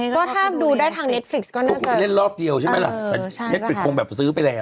ก็ถ้าดูได้ทางเน็ตฟลิกซ์ก็น่าจะต้องไปเล่นรอบเดียวใช่ไหมล่ะเน็ตฟลิกซ์คงแบบซื้อไปแรง